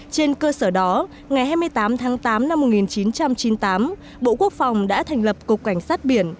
trên cơ sở đó ngày hai mươi tám tháng tám năm một nghìn chín trăm chín mươi tám bộ quốc phòng đã thành lập cục cảnh sát biển